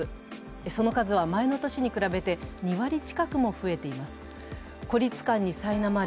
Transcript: その数は前の年に比べて２割近く増えています。